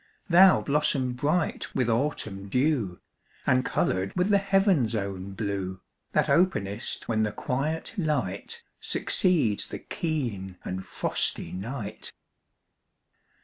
Thou blossom bright with autumn dew, And coloured with the heaven's own blue, That openest when the quiet light Succeeds the keen and frosty night.